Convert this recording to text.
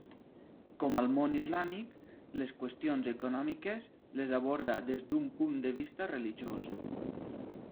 Com al món islàmic, les qüestions econòmiques les aborda des d’un punt de vista religiós.